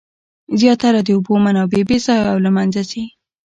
زیاتره د اوبو منابع بې ځایه له منځه ځي.